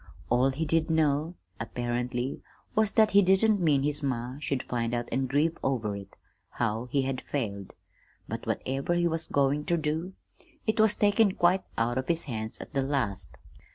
All he did know, apparently, was that he didn't mean his ma should find out an' grieve over it how he had failed. But whatever he was goin' ter do, it was taken quite out of his hands at the last.